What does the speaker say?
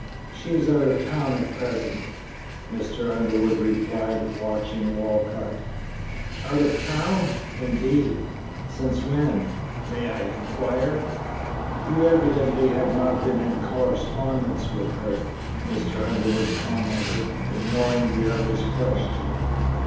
"She is out of town at present," Mr. Underwood replied, watching Walcott. "Out of town? Indeed! Since when, may I inquire?" "You evidently have not been in correspondence with her," Mr. Underwood commented, ignoring the other's question.